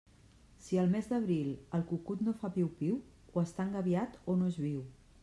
Si al tres d'abril, el cucut no fa piu-piu, o està engabiat o no és viu.